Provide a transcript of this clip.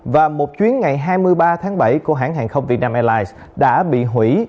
và một chuyến ngày hai mươi ba tháng bảy của hãng hàng không việt nam airlines đã bị hủy